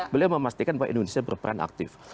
beliau memastikan bahwa indonesia berperan aktif